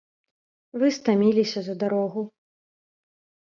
Вы стаміліся за дарогу.